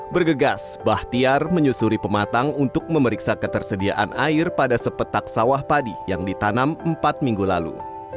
bergegas bahtiar menyusuri pematang untuk memeriksa ketersediaan air pada sepetak sawah padi yang ditanam empat minggu lalu